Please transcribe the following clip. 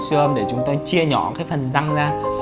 xương để chúng ta chia nhỏ cái phần răng ra